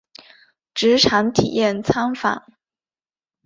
职场体验参访